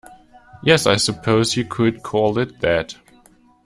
Yes, I suppose you could call it that.